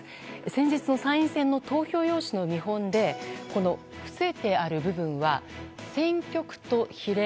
先日の参院選の投票用紙の見本でこの伏せてある部分は選挙区と比例